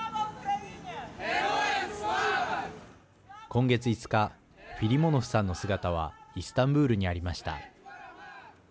今月５日フィリモノフさんの姿はイスタンブールにありました。